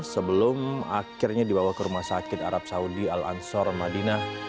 sebelum akhirnya dibawa ke rumah sakit arab saudi al ansor madinah